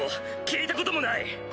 聞いたこともない！